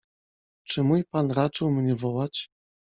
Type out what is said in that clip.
Czy mój pan raczył mnie wołać?